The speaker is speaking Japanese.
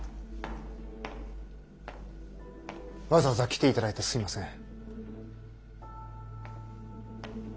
わざわざ来ていただいてすみません。